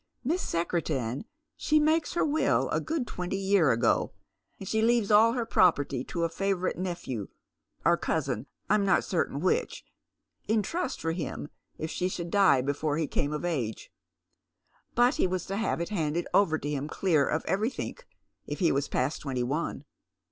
Miss Secretan, she makes her will a good twenty year ago, and she leaves all her property to a favourite nephew, or cousin, I'm not certain which, in trust for him if she should die before he came of age, but he was to have it handed over to him clear of everythink if he was past twenty one.